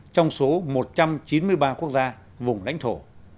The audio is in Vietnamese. trong số một trăm chín mươi ba quốc gia vùng lãnh thổ